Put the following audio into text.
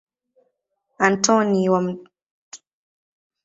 Antoni wa Mt.